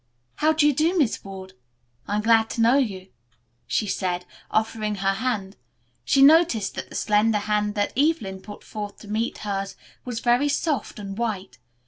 "How do you do, Miss Ward? I am glad to know you," she said, offering her hand. She noticed that the slender hand that Evelyn put forth to meet hers was very soft and white.